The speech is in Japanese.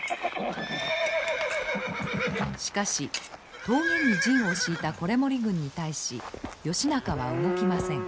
しかし峠に陣を敷いた維盛軍に対し義仲は動きません。